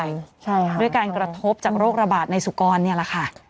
ใช่ค่ะด้วยการกระทบจากโรคระบาดในสุกรเนี่ยแหละค่ะ